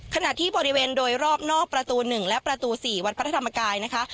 ขณะที่บริเวณโดยรอบนอกประตู๑และประตู๔วัดพระธรรมกายนะคะ